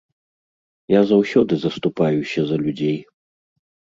Я заўсёды заступаюся за людзей.